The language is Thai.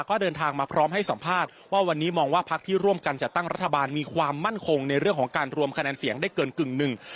ก็เดินทางมาพร้อมให้สัมภาษณ์ว่าวันนี้มองว่าพักที่ร่วมกันจัดตั้งรัฐบาลมีความมั่นคงในเรื่องของการรวมคะแนนเสียงได้เกินกึ่งหนึ่ง